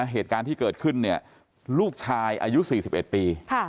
เหตุการณ์ที่เกิดขึ้นเนี่ยลูกชายอายุ๔๑ปี